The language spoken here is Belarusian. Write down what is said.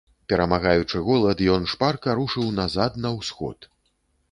Перамагаючы голад, ён шпарка рушыў назад, на ўсход.